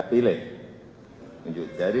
tiba tiba hanya untuk ngeschokin